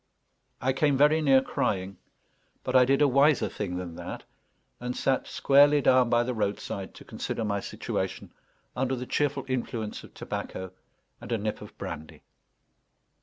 I came very near crying, but I did a wiser thing than that, and sat squarely down by the roadside to consider my situation under the cheerful influence of tobacco and a nip of brandy.